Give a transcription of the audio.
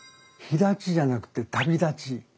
「日立ち」じゃなくて「旅立ち」。